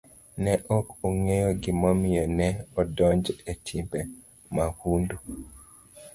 Ne ok ang'eyo gimomiyo ne adonjo e timbe mahundu.